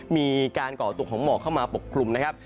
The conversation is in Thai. มีการก่อตัวของหมอกเข้ามาปกคลุมนะครับ